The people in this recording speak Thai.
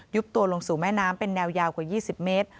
ตัวลงสู่แม่น้ำเป็นแนวยาวกว่า๒๐เมตร